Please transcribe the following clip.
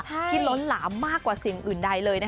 ล้นหลามมากกว่าสิ่งอื่นใดเลย